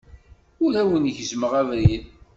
Ur awen-gezzmeɣ abrid.